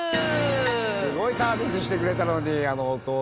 すごいサービスしてくれたのにあのお父さん。